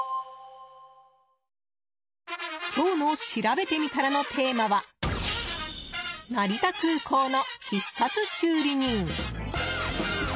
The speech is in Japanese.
今日のしらべてみたらのテーマは成田空港の必殺修理人！